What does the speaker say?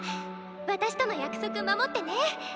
私との約束守ってね！